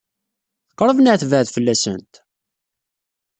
Teqṛeb neɣ tebɛed fell-asent?